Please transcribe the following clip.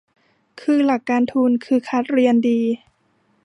โดยหลักการทุนคือคัดเรียนดี